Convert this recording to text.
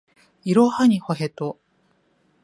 いろはにほへと